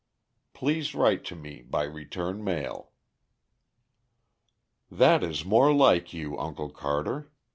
Please write to me by return mail." "That is more like you, Uncle Carter.